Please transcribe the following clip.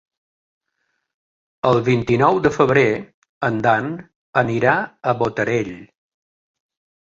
El vint-i-nou de febrer en Dan anirà a Botarell.